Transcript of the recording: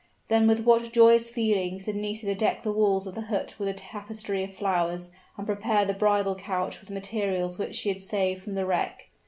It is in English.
Then with what joyous feelings did Nisida deck the walls of the hut with a tapestry of flowers and prepare the bridal couch with materials which she had saved from the wreck.